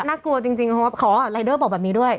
น่ากลัวจริงเพราะว่าขอรายเดอร์บอกแบบนี้ด้วย